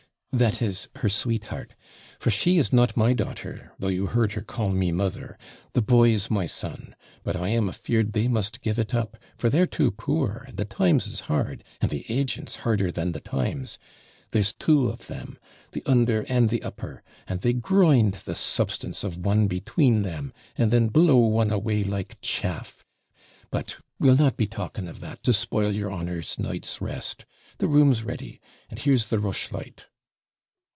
'That is, her sweetheart: for she is not my daughter, though you heard her call me mother. The boy's my son; but I am afeard they must give it up; for they're too poor, and the times is hard, and the agent's harder than the times; there's two of them, the under and the upper; and they grind the substance of one between them, and then blow one away like chaff: but we'll not be talking of that to spoil your honour's night's rest. The room's ready, and here's the rushlight.'